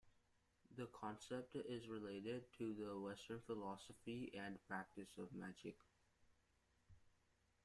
The concept is related to the Western philosophy and practice of magic.